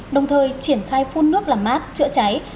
đồng thời triển khai phun nước làm mát chữa cháy